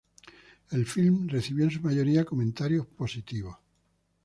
El filme recibió en su mayoría comentarios positivos.